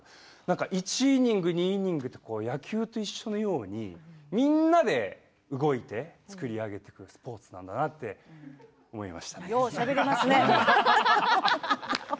１イニング２イニング野球のようにみんなで動いて作り上げていくスポーツなんだなと思いましたね。